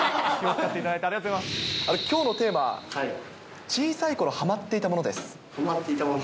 きょうのテーマは小さいころはまっていたもの？